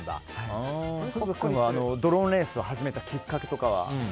風雅君がドローンレースを始めたきっかけとかは？